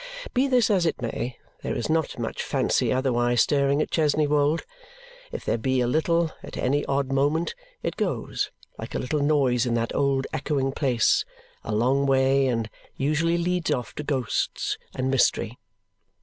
Be this as it may, there is not much fancy otherwise stirring at Chesney Wold. If there be a little at any odd moment, it goes, like a little noise in that old echoing place, a long way and usually leads off to ghosts and mystery.